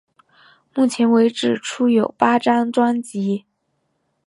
目前为止出有八张专辑。